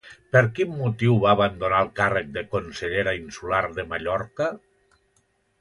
Per quin motiu va abandonar el càrrec de consellera insular de Mallorca?